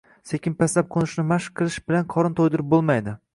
sekin pastlab qo‘nishni mashq qilish bilan qorin to‘ydirib bo‘lmaydi.